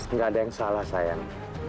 tidak ada yang salah sayang